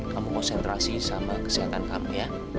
kamu konsentrasi sama kesehatan kamu ya